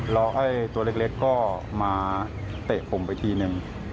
แล้วไอ้ตัวเล็กก็มาเตะผมไปทีนึง